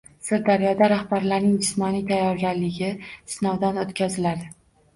Sirdaryoda rahbarlarning jismoniy tayyorgarligi sinovdan o‘tkaziladi